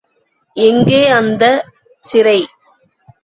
எங்கே அந்தச் சிறை?